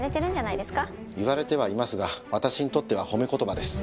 言われてはいますが私にとっては褒め言葉です。